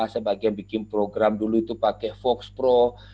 saya bagian bikin program dulu itu pakai foxpro